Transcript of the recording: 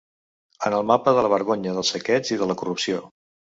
En el mapa de la vergonya, del saqueig i de la corrupció.